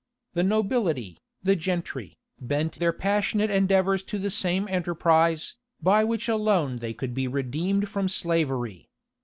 The nobility, the gentry, bent their passionate endeavors to the same enterprise, by which alone they could be redeemed from slavery.